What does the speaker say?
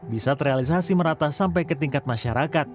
bisa terrealisasi merata sampai ke tingkat masyarakat